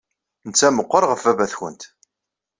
Netta meɣɣer ɣef baba-twent!